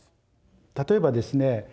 例えばですね